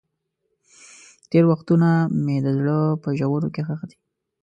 تېر وختونه مې د زړه په ژورو کې ښخ دي.